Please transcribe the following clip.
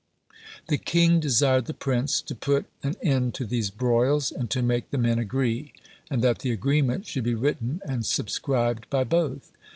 The king desired the prince to put an end to these broils, and to make the men agree, and that the agreement should be written and subscribed by both.